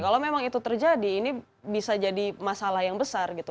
kalau memang itu terjadi ini bisa jadi masalah yang besar gitu